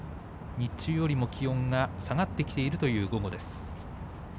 日中よりも気温が下がってきている午後です。